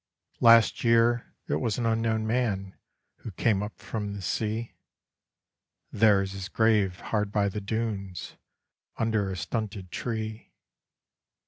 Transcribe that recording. Last year it was an unknown man who came up from the sea, There is his grave hard by the dunes under a stunted tree.